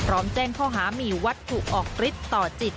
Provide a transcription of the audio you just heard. พร้อมแจ้งข้อหามีวัตถุออกฤทธิ์ต่อจิต